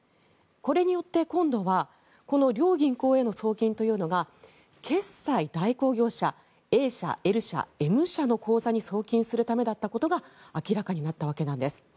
これによって今度はこの両銀行への送金というのが決済代行業者Ａ社、Ｌ社、Ｍ社の口座に送金するためだったことが明らかになったわけです。